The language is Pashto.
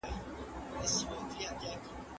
هغه څوک چي مطالعه کوي په موقف کې توندي نه کوي.